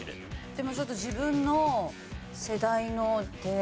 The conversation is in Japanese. でもちょっと自分の世代ので。